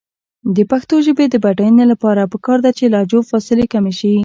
د پښتو ژبې د بډاینې لپاره پکار ده چې لهجو فاصلې کمې شي.